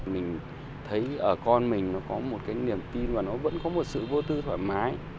mình thấy ở con mình nó có một cái niềm tin và nó vẫn có một sự vô tư thoải mái